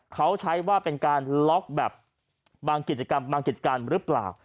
เขาใช้ว่าเป็นการล็อกแบบบางกิจกรรมบางกิจการหรือเปล่า